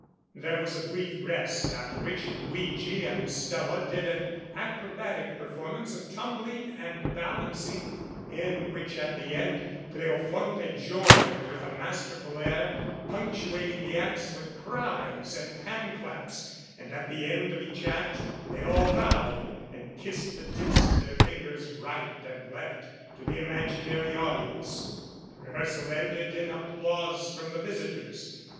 There was a brief rest, after which Luigi and Stella did an acrobatic performance of tumbling and balancing in which at the end Cleofonte joined with a masterful air, punctuating the acts with cries and handclaps, and at the end of each act they all bowed and kissed the tips of their fingers right and left to the imaginary audience. The rehearsal ended in applause from the visitors.